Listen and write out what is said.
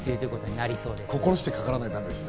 心してかからないとだめですね。